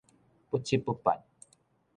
不七不八